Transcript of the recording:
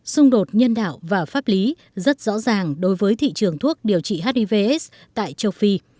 xung đột nhân đạo và pháp lý rất rõ ràng đối với thị trường thuốc điều trị hivs tại châu phi